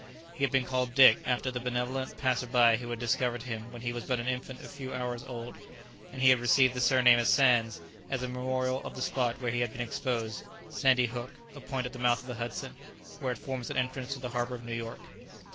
He had been called Dick, after the benevolent passer by who had discovered him when he was but an infant a few hours old, and he had received the surname of Sands as a memorial of the spot where he had been exposed, Sandy Hook, a point at the mouth of the Hudson, where it forms an entrance to the harbour of New York.